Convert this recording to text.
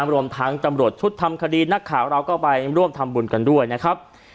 รวมทั้งตำรวจชุดทำคดีนักข่าวเราก็ไปร่วมทำบุญกันด้วยนะครับ